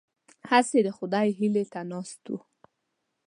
هسې د خدای هیلې ته ناست وو.